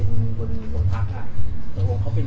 ผู้ใหญ่ของเรานี่หมายถึงข้างในหรือว่าของผู้ใหญ่อะไร